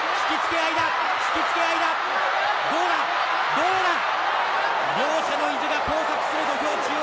どうだ？両者の意地が交錯する土俵中央。